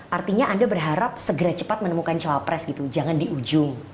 artinya anda berharap segera cepat menemukan cawapres gitu jangan di ujung